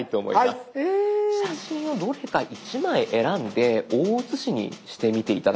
写真をどれか１枚選んで大写しにしてみて頂けるでしょうか？